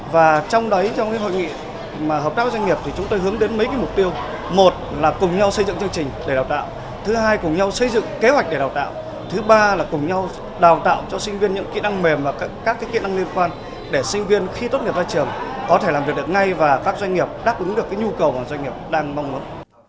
và trong đấy trong cái hội nghị mà hợp tác với doanh nghiệp thì chúng tôi hướng đến mấy cái mục tiêu một là cùng nhau xây dựng chương trình để đào tạo thứ hai cùng nhau xây dựng kế hoạch để đào tạo thứ ba là cùng nhau đào tạo cho sinh viên những kỹ năng mềm và các kỹ năng liên quan để sinh viên khi tốt nghiệp ra trường có thể làm việc được ngay và các doanh nghiệp đáp ứng được nhu cầu mà doanh nghiệp đang mong muốn